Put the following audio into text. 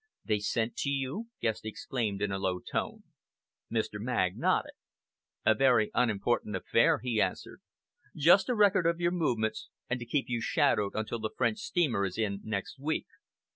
"They sent to you?" Guest exclaimed in a low tone. Mr. Magg nodded. "A very unimportant affair," he answered. "Just a record of your movements, and to keep you shadowed until the French steamer is in next week.